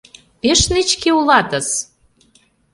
— Пеш нечке улатыс!